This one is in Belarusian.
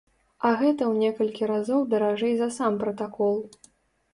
А гэта у некалькі разоў даражэй за сам пракол.